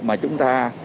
mà chúng ta